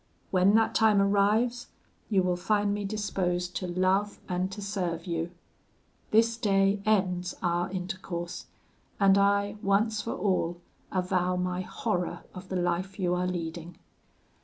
When that time arrives, you will find me disposed to love and to serve you; this day ends our intercourse, and I once for all avow my horror of the life you are leading.'